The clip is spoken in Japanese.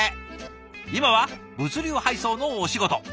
今は物流配送のお仕事。